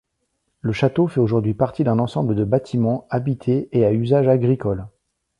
Le château fait aujourd’hui partie d’un ensemble de bâtiments habités et à usage agricole.